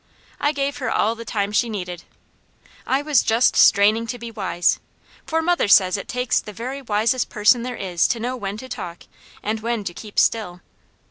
I gave her all the time she needed. I was just straining to be wise, for mother says it takes the very wisest person there is to know when to talk, and when to keep still.